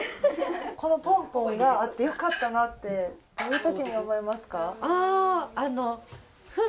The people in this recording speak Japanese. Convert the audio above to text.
このぽんぽんがあってよかったなってどういうときに思いますか？